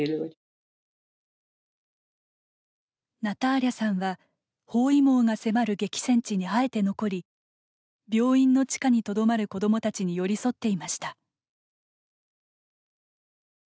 ナターリャさんは包囲網が迫る激戦地にあえて残り病院の地下にとどまる子どもたちに寄り添っていました。